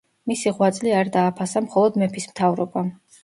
მისი ღვაწლი არ დააფასა მხოლოდ მეფის მთავრობამ.